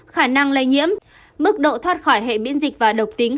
khả năng lây nhiễm mức độ thoát khỏi hệ biễn dịch và độc tính